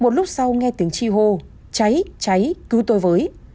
một lúc sau nghe tiếng chi hô cháy cháy cứu tôi với